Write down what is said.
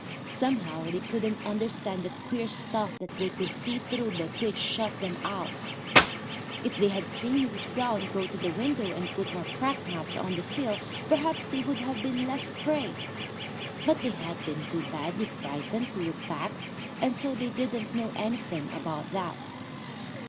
Somehow they couldn't understand that queer stuff that they could see through but which shut them out. If they had seen Mrs. Brown go to the window and put more cracked nuts on the sill, perhaps they would have been less afraid. But they had been too badly frightened to look back, and so they didn't know anything about that.